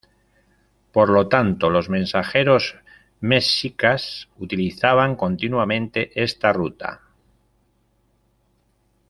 Por lo tanto, los mensajeros mexicas utilizaban continuamente esta ruta.